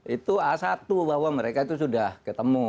itu a satu bahwa mereka itu sudah ketemu